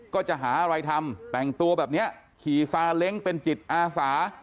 ก็จะหาอะไรทำแต่งตัวแบบนี้ขี่ซาเล้งเป็นจิตอาสา